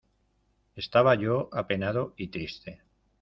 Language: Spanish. Estaba yo apenado y triste.